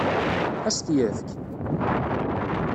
Ad as-t-yefk?